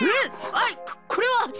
あっこれは。